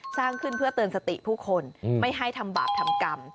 สร้างขึ้นเพื่อเตือนสติผู้คนไม่ให้ทำบาปทำกรรม